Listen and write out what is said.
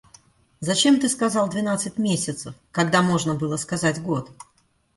Зачем ты сказал двенадцать месяцев, когда можно было сказать год?